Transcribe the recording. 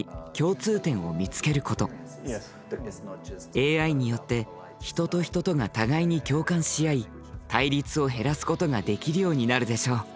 ＡＩによって人と人とが互いに共感し合い対立を減らすことができるようになるでしょう。